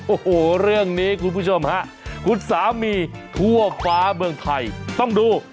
โอ้โหเรื่องนี้คุณผู้ชมฮะคุณสามีทั่วฟ้าเมืองไทยต้องดู